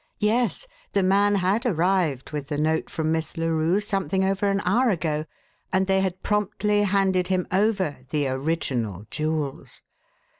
Yes, the man had arrived with the note from Miss Larue something over an hour ago, and they had promptly handed him over the original jewels.